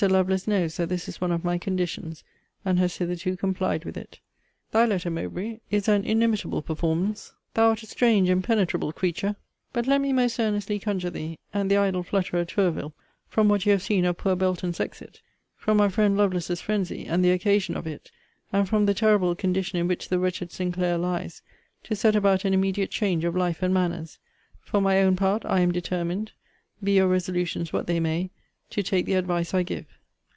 Lovelace knows that this is one of my conditions; and has hitherto complied with it. Thy letter, Mowbray, is an inimitable performance. Thou art a strange impenetrable creature. But let me most earnestly conjure thee, and the idle flutterer, Tourville, from what you have seen of poor Belton's exit; from our friend Lovelace's phrensy, and the occasion of it; and from the terrible condition in which the wretched Sinclair lies; to set about an immediate change of life and manners. For my own part, I am determined, be your resolutions what they may, to take the advice I give.